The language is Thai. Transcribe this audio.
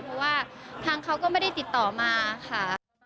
เพราะว่าทางเขาก็ไม่ได้ติดต่อมาค่ะ